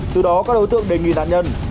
từ đó các đối tượng đề nghị nạn nhân